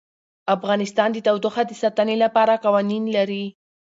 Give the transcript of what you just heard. افغانستان د تودوخه د ساتنې لپاره قوانین لري.